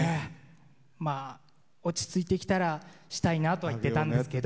落ち着いてきたらしたいなとは言ってたんですけど。